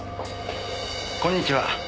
こんにちは。